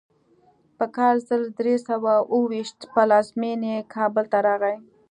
په کال زر درې سوه اوو ویشت پلازمینې کابل ته راغی.